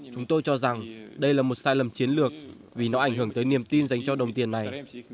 chúng tôi cho rằng đây là một sai lầm chiến lược vì nó ảnh hưởng tới niềm tin dành cho đồng tiền này